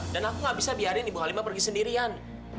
dan aku gak bisa biarin ibu halimah pergi sendirian